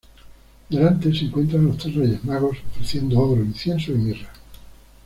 Delante se encuentran los tres Reyes Magos, ofreciendo oro, incienso y mirra.